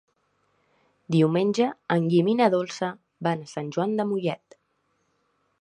Diumenge en Guim i na Dolça van a Sant Joan de Mollet.